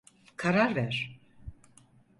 Karar ver.